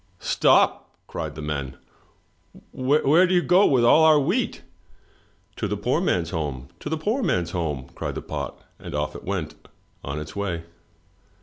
'* Stop !'' cried the men. " Where do you go with all our wheat?" To the poor man's home, to the poor man's home!" cried the pot, and off it went on its way.